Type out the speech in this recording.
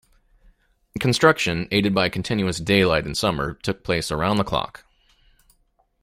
Construction, aided by continuous daylight in summer, took place around the clock.